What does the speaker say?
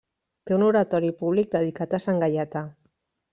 Té un oratori públic dedicat a Sant Gaietà.